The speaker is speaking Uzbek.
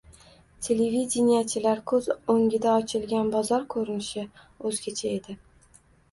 televideniyechilar ko‘z o‘ngida ochilgan bozor ko‘rinishi... o‘zgacha edi!